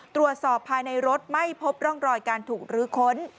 ตรวจสอบภายในรถไม่พบร่องรอยการถูกรื้อค้น